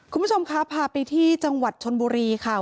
คุณผู้ชมคะพาไปที่จังหวัดชนบุรีค่ะ